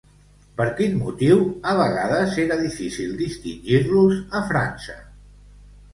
Per quin motiu a vegades era difícil distingir-los a França?